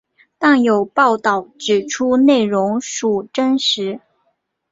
但有报导指出内容属真实。